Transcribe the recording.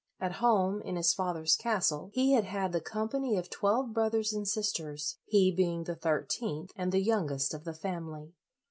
At home, in his father's castle, he had had the com pany of twelve brothers and sisters, he being the thirteenth and the youngest of the family.